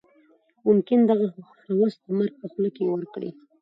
ممکن دغه هوس د مرګ په خوله کې ورکړي.